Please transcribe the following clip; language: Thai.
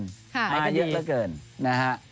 พักยังมากเกิน